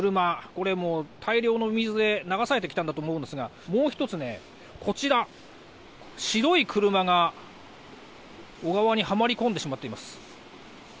これ、もう大量の水で流されてきたんだと思うんですがもう１つ、こちら、白い車が小川にはまり込んでしまっています。